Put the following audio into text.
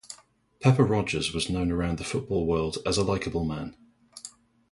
Pepper Rodgers was known around the football world as a likable man.